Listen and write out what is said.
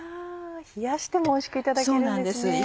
冷やしてもおいしくいただけるんですね。